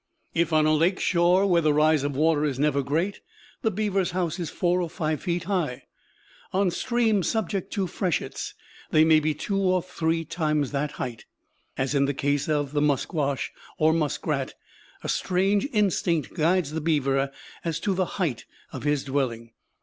If on a lake shore, where the rise of water is never great, the beaver's house is four or five feet high. On streams subject to freshets they may be two or three times that height. As in the case of the musquash (or muskrat), a strange instinct guides the beaver as to the height of his dwelling.